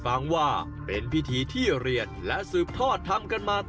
หันล้วยหันล้วยหันล้วยหันล้วยหันล้วยหันล้วยหันล้วย